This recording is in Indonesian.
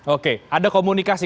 oke ada komunikasi